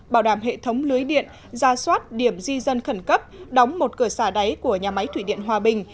bảo đảm hệ thống lưới điện ra soát điểm di dân khẩn cấp đóng một cửa xả đáy của nhà máy thủy điện hòa bình